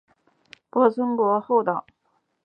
泊村国后岛南部区域。